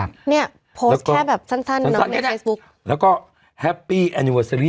เนี้ยแค่แบบสั้นสั้นสั้นสั้นแน่แน่แล้วก็